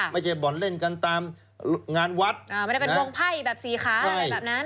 บ่อนเล่นกันตามงานวัดอ่าไม่ได้เป็นวงไพ่แบบสี่ขาอะไรแบบนั้น